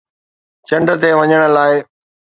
چنڊ تي وڃڻ لاءِ